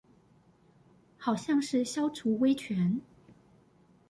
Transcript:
好像是消除威權